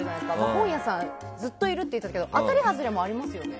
本屋さん、ずっといるって言っていたけど当たり外れもありますよね。